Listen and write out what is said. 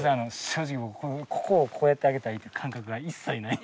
正直僕ここをこうやってあげたいという感覚が一切ない。